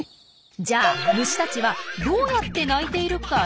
じゃあ虫たちはどうやって鳴いているか知ってます？